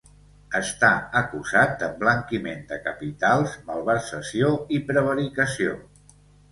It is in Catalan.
Està acusat d’emblanquiment de capitals, malversació i prevaricació.